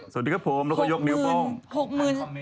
สวัสดีครับผมแล้วก็ยกนิ้วโป้ง